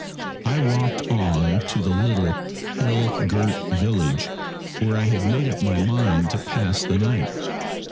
I walked on to the little hill girt village, where I had made up my mind to pass the night.